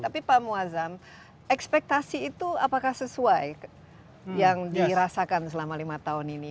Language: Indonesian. tapi pak muazzam ekspektasi itu apakah sesuai yang dirasakan selama lima tahun ini